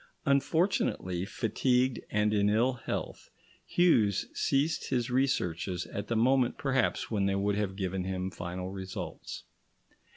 Unfortunately, fatigued and in ill health, Hughes ceased his researches at the moment perhaps when they would have given him final results.